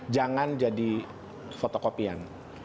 jangan jadi fotokopian